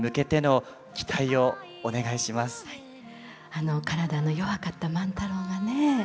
あの体の弱かった万太郎がね